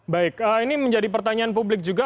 baik ini menjadi pertanyaan publik juga